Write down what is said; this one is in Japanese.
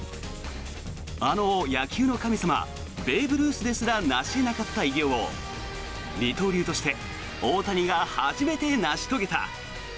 あの野球の神様ベーブ・ルースですらなし得なかった偉業を二刀流として大谷が初めて成し遂げた。